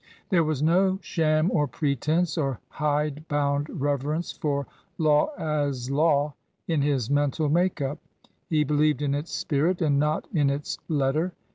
There was no sham or pretense or hide bound reverence for law as law in his mental make up. He believed in its spirit and not in its letter.